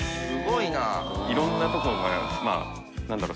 いろんなところが何だろう？